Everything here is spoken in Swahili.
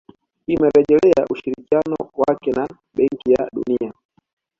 Imerejelea ushirikiano wake na Benki ya Dunia